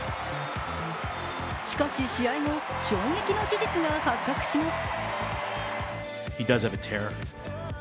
しかし試合後、衝撃の事実が発覚します。